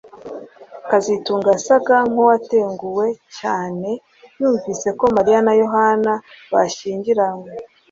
kazitunga yasaga nkuwatunguwe cyane yumvise ko Mariya na Yohana bashyingiranywe